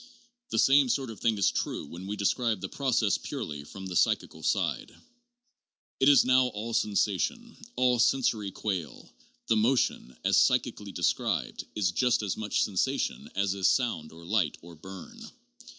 The same sort of thing is true when we describe the process purely from the psychical side. It is now all sensation, all sen sory quale ; the motion, .as psychically described, is just as much, sensation as is sound or light or burn.